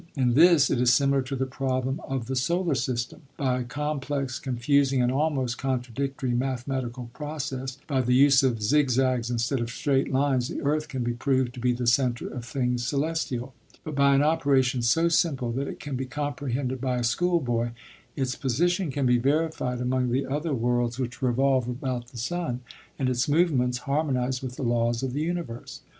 In this it is similar to the problem of the solar system. By a complex, confusing, and almost contradictory mathematical process, by the use of zigzags instead of straight lines, the earth can be proved to be the center of things celestial; but by an operation so simple that it can be comprehended by a schoolboy, its position can be verified among the other worlds which revolve about the sun, and its movements harmonized with the laws of the universe.